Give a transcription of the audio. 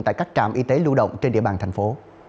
tại các trạm y tế lưu động trên địa bàn thành phố